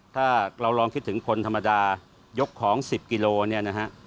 ถ้าเราลองคิดถึงคนธรรมดายกของ๑๐กิโลเมตร